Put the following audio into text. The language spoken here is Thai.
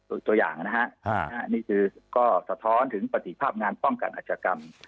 ตัวอย่างนะฮะนี่คือก็สะท้อนถึงปฏิภาพงานป้องกันอาชกรรม